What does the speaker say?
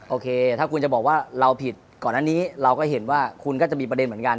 โอเคถ้าคุณจะบอกว่าเราผิดก่อนอันนี้เราก็เห็นว่าคุณก็จะมีประเด็นเหมือนกัน